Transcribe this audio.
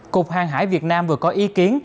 cục hàng hải việt nam vừa có ý kiến